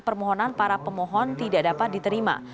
permohonan para pemohon tidak dapat diterima